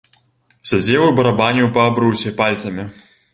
Сядзеў і барабаніў па абрусе пальцамі.